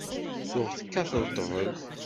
Tuɣ tekkateḍ ṭṭbel.